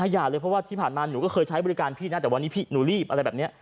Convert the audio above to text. อย่าเลยเพราะว่าที่ผ่านมาหนูก็เคยใช้บริการพี่นะแต่วันนี้พี่หนูรีบอะไรแบบนี้